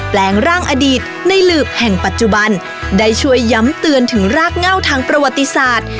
แปลงร่างอดีตในหลืบแห่งปัจจุบันได้ช่วยย้ำเตือนถึงรากเง่าทางประวัติศาสตร์